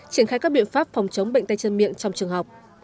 triển khai các biện pháp phòng chống bệnh tay chân miệng trong trường học